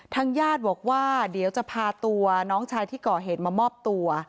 ทางญาติบอกว่าเดี๋ยวจะพาตัวน้องชายที่ก่อเหตุมามอบตัว